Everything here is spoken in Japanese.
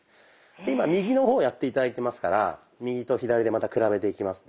で今右の方をやって頂いてますから右と左でまた比べていきますね。